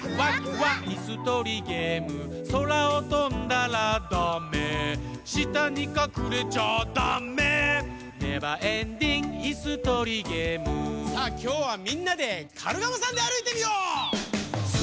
いすとりゲーム」「そらをとんだらダメ」「したにかくれちゃダメ」「ネバーエンディングいすとりゲーム」さあきょうはみんなでカルガモさんであるいてみよう。